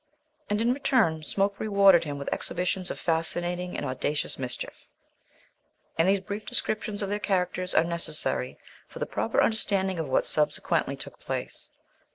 And, in return, Smoke rewarded him with exhibitions of fascinating and audacious mischief. And these brief descriptions of their characters are necessary for the proper understanding of what subsequently took place.